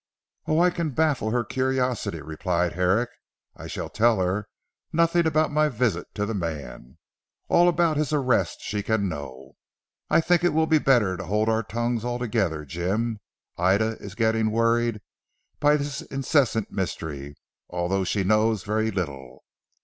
"Oh, I can baffle her curiosity," replied Herrick. "I shall tell her nothing about my visit to the man. All about his arrest she can know." "I think it will be better to hold our tongues altogether Jim. Ida is getting worried by this incessant mystery, although she knows very little."